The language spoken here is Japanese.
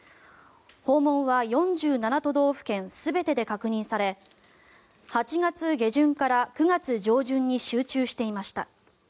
訪問は４７都道府県全てで確認され８月下旬から９月上旬に集中していました。